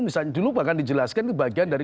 misalnya dulu bahkan dijelaskan itu bagian dari